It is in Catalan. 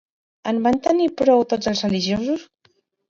En van tenir prou tots els religiosos?